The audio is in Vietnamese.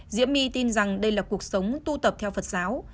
diễm my tin rằng đây là cuộc sống tu tập theo phật giáo